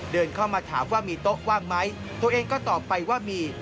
เดินเข้ามาถามว่ามีโต๊ะว่างไหมตัวเองก็ตอบไปว่ามี